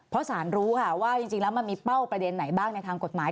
เพราะสารรู้ค่ะว่าจริงแล้วมันมีเป้าประเด็นไหนบ้างในทางกฎหมาย